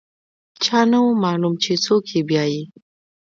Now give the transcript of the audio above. چا نه و معلوم چې څوک یې بیايي.